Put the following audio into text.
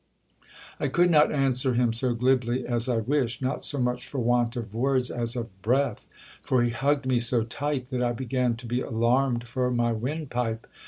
I could not answer him so glibly as I wished, not so much for want of words as of breath ; for he hugged me so tight that I began to be alarmed for my wind pipe.